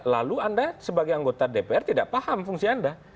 lalu anda sebagai anggota dpr tidak paham fungsi anda